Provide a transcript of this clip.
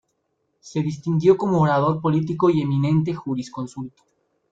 Se distinguió como orador político y eminente jurisconsulto.